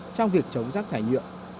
trong việc phát triển rác thải nhựa